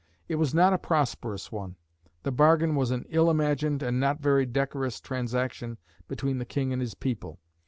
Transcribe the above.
It was not a prosperous one. The bargain was an ill imagined and not very decorous transaction between the King and his people.